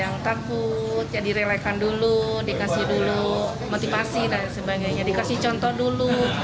yang takut ya direlekan dulu dikasih dulu motivasi dan sebagainya dikasih contoh dulu